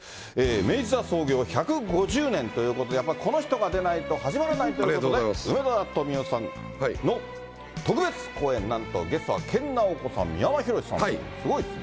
明治座創業１５０年ということで、この人が出ないと始まらないということで、梅沢富美男さんの特別公演、なんとゲストは研ナオコさん、三山ひろしさん、すごいですね。